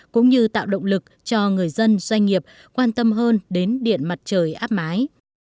cũng như tạo động lực cho người dân doanh nghiệp quan tâm hơn đến điện mặt trời áp mái